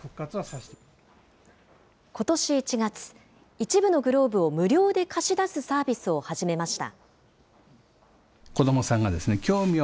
ことし１月、一部のグローブを無料で貸し出すサービスを始めました。